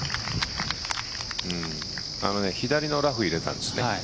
左のラフに入れたんです。